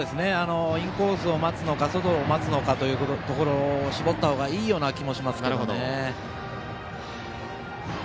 インコースを待つのか外を待つのかで絞った方がいいような気もしますが。